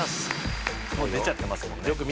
もう出ちゃってますもん。